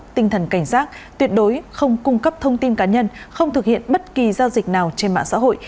tinh thần cảnh giác tuyệt đối không cung cấp thông tin cá nhân không thực hiện bất kỳ giao dịch nào trên mạng xã hội